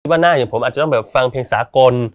ว่าหน้าอย่างผมอาจจะต้องแบบฟังเพลงสากล